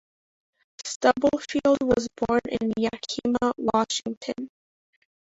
Stubblefield was born in Yakima, Washington.